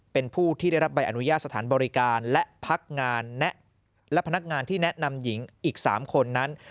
เป็นผู้ที่ได้รับใบอนุญาตสถานบริการและพักงานและพนักงานที่แนะนำหญิงอีก๓คนนั้น